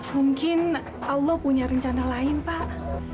mungkin allah punya rencana lain pak